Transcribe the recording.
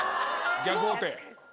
逆王手。